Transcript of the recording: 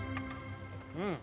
うん。